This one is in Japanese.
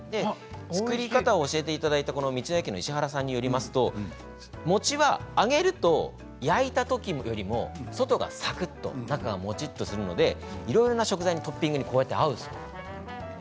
作り方を教えていただいた道の駅の石原さんによりますと餅は揚げると焼いたときよりも外がサクっと中がもちっとするのでいろんな食材のトッピングに合うそうです。